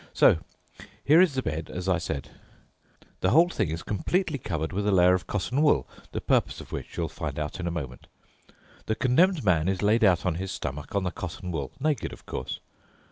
So, here is the bed, as I said. The whole thing is completely covered with a layer of cotton wool, the purpose of which you'll find out in a moment. The condemned man is laid out on his stomach on the cotton wool—naked, of course.